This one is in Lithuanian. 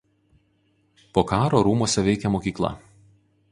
Po karo rūmuose veikė mokykla.